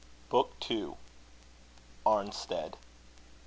BOOK II. ARNSTEAD.